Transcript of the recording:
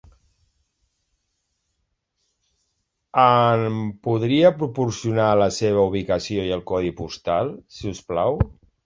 Em podria proporcionar la seva ubicació i el codi postal, si us plau?